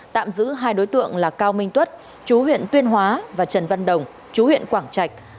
tạm giữ hai đối tượng là cao minh tuất chú huyện tuyên hóa và trần văn đồng chú huyện quảng trạch